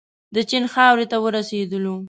د چین خاورې ته ورسېدلو.